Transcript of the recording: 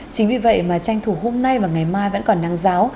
chính vì vậy mà tranh thủ hôm nay và ngày mai vẫn còn nắng giáo